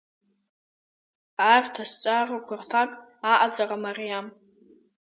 Арҭ азҵаарақәа рҭак аҟаҵара мариам.